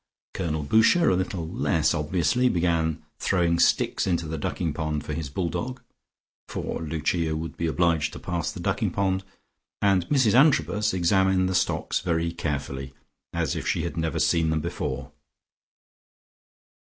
Colonel Boucher, a little less obviously, began throwing sticks into the ducking pond for his bull dog (for Lucia would be obliged to pass the ducking pond) and Mrs Antrobus examined the stocks very carefully, as if she had never seen them before.